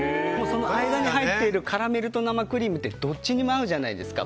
間に入っているカラメルと生クリームってどっちにも合うじゃないですか。